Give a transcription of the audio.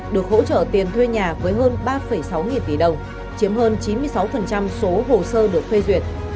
được hỗ trợ tiền thuê nhà với hơn ba sáu nghìn tỷ đồng chiếm hơn chín mươi sáu số hồ sơ được phê duyệt